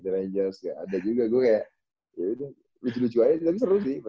the rangers gak ada juga gue kayak lucu lucu aja sih tapi seru sih